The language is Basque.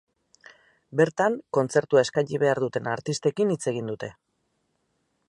Bertan, kontzertua eskaini behar duten artistekin hitz egin dute.